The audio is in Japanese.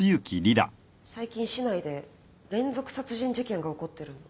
最近市内で連続殺人事件が起こってるの。